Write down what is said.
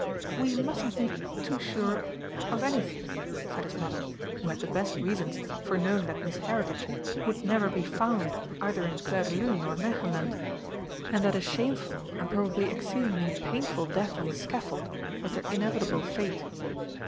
"We mustn't make too sure of anything," said his mother, who had the best reasons for knowing that Miss Heritage would never be found either in Clairdelune or Märchenland, and that a shameful and probably exceedingly painful death on the scaffold was their inevitable fate.